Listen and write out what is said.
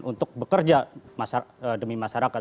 untuk bekerja demi masyarakat